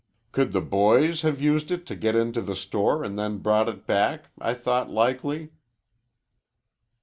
Could the boys have used it to get into the store an' then brought it back? I thought likely."